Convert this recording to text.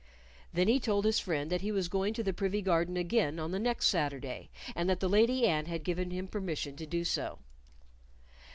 Then he told his friend that he was going to the privy garden again on the next Saturday, and that the Lady Anne had given him permission so to do.